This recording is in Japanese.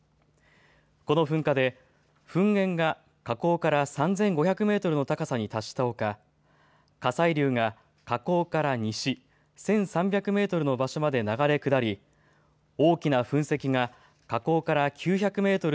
この噴火で噴煙が火口から３５００メートルの高さに達したほか火砕流が火口から西、１３００メートルの場所まで流れ下り、大きな噴石が火口から９００メートル